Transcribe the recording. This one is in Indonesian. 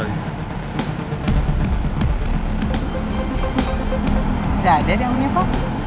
gak ada daunnya pak